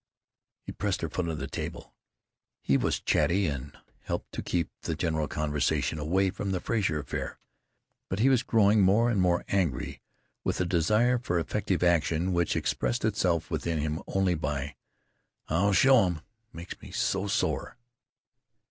He pressed her foot under the table. He was chatty, and helped to keep the general conversation away from the Frazer affair; but he was growing more and more angry, with a desire for effective action which expressed itself within him only by, "I'll show 'em! Makes me so sore!"